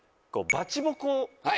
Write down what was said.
「バチボコ」。